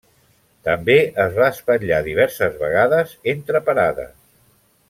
També es va espatllar diverses vegades entre parades.